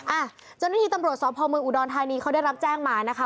อ่ะเจ้าหน้าที่ตำรวจสพเมืองอุดรธานีเขาได้รับแจ้งมานะคะ